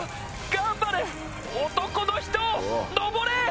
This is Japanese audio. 頑張れっ男の人登れ！